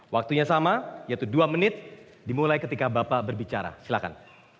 waktunya sama yaitu dua menit dimulai ketika bapak berbicara silahkan